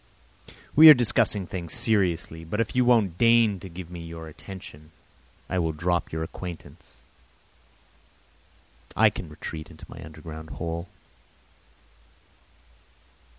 We are discussing things seriously; but if you won't deign to give me your attention, I will drop your acquaintance. I can retreat into my underground hole.